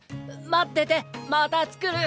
まっててまた作る！